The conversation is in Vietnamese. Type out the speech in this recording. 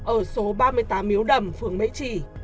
ở số ba mươi tám miếu đầm phường mỹ trì